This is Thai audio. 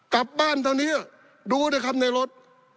กลับบ้านเท่านี้ดูนะครับในรถ